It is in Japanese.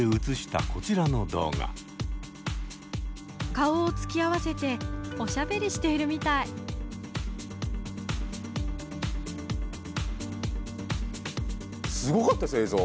顔を突き合わせておしゃべりしているみたいすごかったですよ映像。